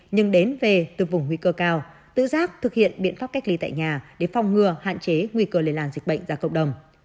nhưng đến về từ vùng nguy cơ cao tự giác thực hiện biện pháp cách ly tại nhà để phong ngừa hạn chế nguy cơ lây lan dịch bệnh ra cộng đồng